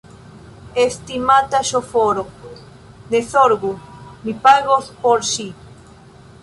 Estimata ŝoforo, ne zorgu, mi pagos por ŝi